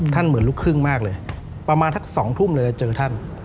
เหมือนลูกครึ่งมากเลยประมาณสัก๒ทุ่มเลยเจอท่าน